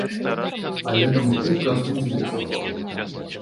Але там хутка астудзілі запал.